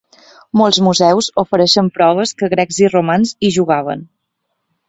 Molts museus ofereixen proves que Grecs i Romans hi jugaven.